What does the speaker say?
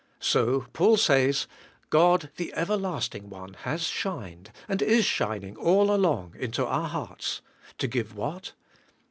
So, Paul says, 'God, the Everlasting One, has shined, and is shining all along into our hearts, to give what?